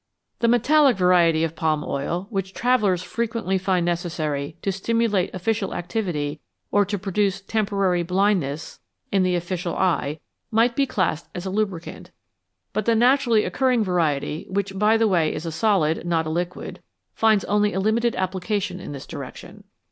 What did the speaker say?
The metallic variety of palm oil, which travellers frequently find necessary to stimu late official activity or to produce temporary blindness 242 FATS AND OILS in the official eye, might be classed as a lubricant, but the naturally occurring variety, which, by the way, is a solid, not a liquid, finds only a limited applica tion in this direction.